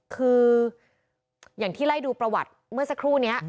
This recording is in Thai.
คืออย่างที่ไล่ดูประวัติเมื่อสักครู่นี้